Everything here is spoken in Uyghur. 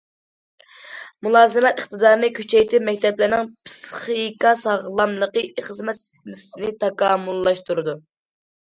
مۇلازىمەت ئىقتىدارىنى كۈچەيتىپ، مەكتەپلەرنىڭ پىسخىكا ساغلاملىقى خىزمەت سىستېمىسىنى تاكامۇللاشتۇرىدۇ.